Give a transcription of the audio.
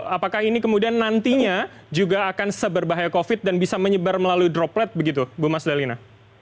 apakah ini kemudian nantinya juga akan seberbahaya covid dan bisa menyebar melalui droplet begitu bu mas dalina